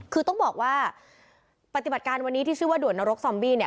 คือต้องบอกว่าปฏิบัติการวันนี้ที่ชื่อว่าด่วนนรกซอมบี้เนี่ย